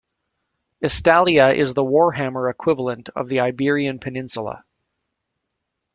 Estalia is the Warhammer equivalent of the Iberian peninsula.